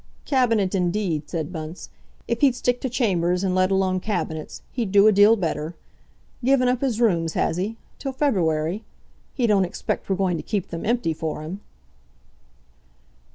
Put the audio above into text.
"Cabinet, indeed," said Bunce; "if he'd stick to chambers, and let alone cabinets, he'd do a deal better. Given up his rooms, has he, till February? He don't expect we're going to keep them empty for him!"